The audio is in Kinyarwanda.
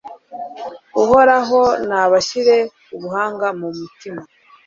uhoraho nabashyire ubuhanga mu mutima